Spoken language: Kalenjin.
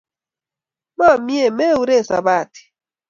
Momei meure sebati